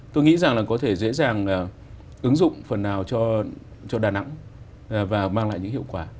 tôi nghĩ rằng là có thể dễ dàng ứng dụng phần nào cho đà nẵng và mang lại những hiệu quả